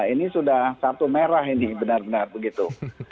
ini sudah kartu merah ini benar benar begitu